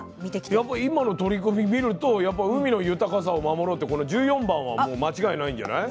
やっぱ今の取り組み見ると「海の豊かさを守ろう」ってこの１４番はもう間違いないんじゃない？